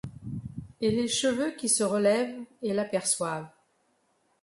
Et les cheveux qui se relèvent et l’aperçoivent.